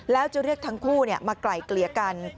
แล้วจะเรียกทั้งคู่มาไกล่เกลี่ยกัน